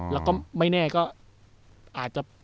แล้วก็ไม่แน่ก็อาจจะ